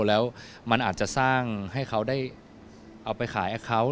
แล้วมันอาจจะสร้างให้เขาได้เอาไปขายแอคเคาน์